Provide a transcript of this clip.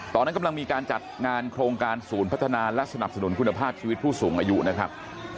ตอนนั้นกำลังมีการจัดงานโครงการศูนย์พัฒนาและสนับสนุนคุณภาพชีวิตผู้สูงอายุนะครับ